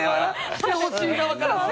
してほしい側からすれば。